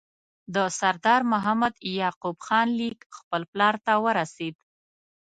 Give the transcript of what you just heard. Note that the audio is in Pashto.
د سردار محمد یعقوب خان لیک خپل پلار ته ورسېد.